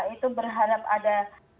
itu berharap ada